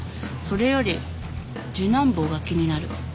それより次男坊が気になる。